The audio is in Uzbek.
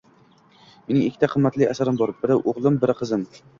“Mening ikkita qimmatli “asarim” bor: biri-o’glim, biri-qizim!”